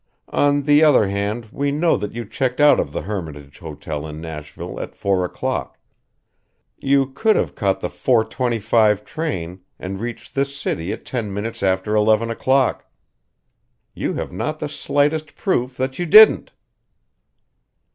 On the other hand we know that you checked out of the Hermitage Hotel in Nashville at four o'clock. You could have caught the 4:25 train and reached this city at ten minutes after eleven o'clock. You have not the slightest proof that you didn't."